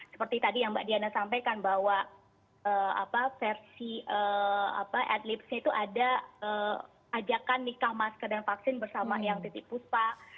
seperti tadi yang mbak diana sampaikan bahwa versi at leapsnya itu ada ajakan nikah masker dan vaksin bersama yang titik puspa